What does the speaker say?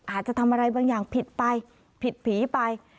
อาจจะทำอะไรบางอย่างผิดไปผิดผีไป